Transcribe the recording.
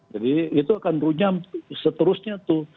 jadi itu akan runyam seterusnya tuh